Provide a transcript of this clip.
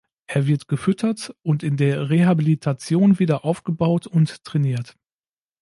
Er wird gefüttert und in der Rehabilitation wieder aufgebaut und trainiert.